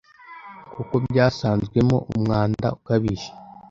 kuko byasanzwemo umwanda ukabije